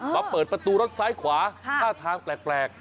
เปิดประตูรถซ้ายขวาท่าทางแปลก